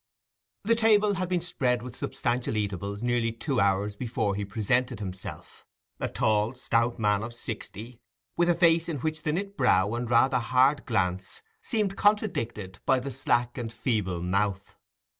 The table had been spread with substantial eatables nearly two hours before he presented himself—a tall, stout man of sixty, with a face in which the knit brow and rather hard glance seemed contradicted by the slack and feeble mouth.